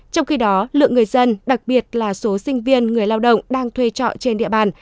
trong khi đó lượng người dân đặc biệt là số sinh viên người lao động đang thuê trọ trên địa bàn